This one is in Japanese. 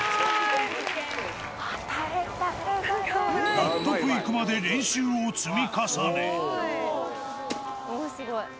納得いくまで練習を積み重ね。